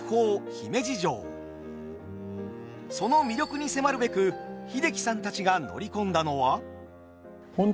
その魅力に迫るべく英樹さんたちが乗り込んだのは。